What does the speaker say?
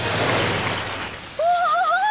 うわ！